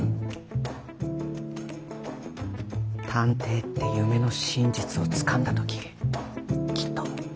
探偵って夢の真実をつかんだ時きっと。